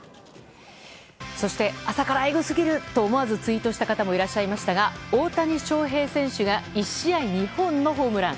そして、朝からえぐすぎると思わずツイートした方もいらっしゃいましたが大谷翔平選手が１試合２本のホームラン。